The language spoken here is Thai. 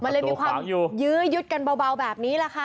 มันเลยมีความยื้อยึดกันเบาแบบนี้แหละค่ะ